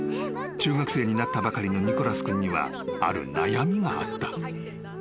［中学生になったばかりのニコラス君にはある悩みがあった。